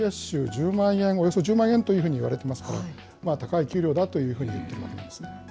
１０万円、およそ１０万円というふうにいわれてますけれども、高い給料だというふうにいってますね。